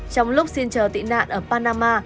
trong lúc xin chờ tị nạn ở panama